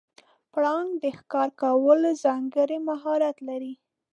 پړانګ د ښکار کولو ځانګړی مهارت لري.